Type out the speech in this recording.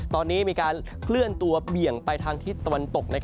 ตอนนี้มีการเคลื่อนตัวเบี่ยงไปทางทิศตะวันตก